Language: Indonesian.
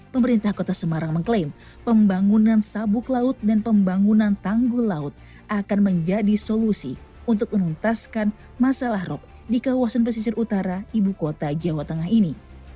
pemerintah kota semarang mengklaim pembangunan sabuk laut dan pembangunan tanggul laut akan menjadi solusi untuk menuntaskan masalah rop di kawasan pesisir utara ibu kota jawa tengah ini